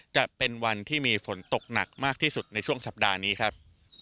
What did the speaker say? จะเป็นวันที่มีฝนตกหนักมากที่สุดในช่วงสัปดาห์นี้ครับ